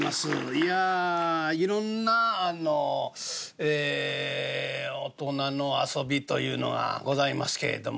いやいろんなあのえ大人の遊びというのがございますけれども。